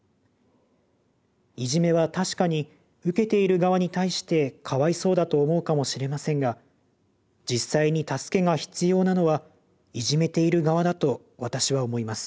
いじめは確かに受けている側に対してかわいそうだと思うかもしれませんが実際に助けが必要なのはいじめている側だと私は思います。